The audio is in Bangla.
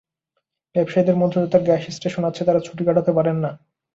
ব্যবসায়ীদের মধ্যে যাদের গ্যাস স্টেশন আছে তারা ছুটি কাটাতে পারেন না।